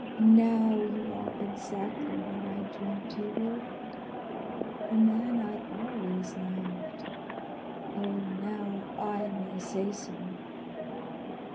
Now you are exactly what I dreamt you were,—the man I always loved. Oh, now I may say so!"